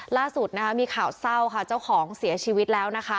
ล่าสุดมีข่าวเศร้าเจ้าของเสียชีวิตพ่อแล้ว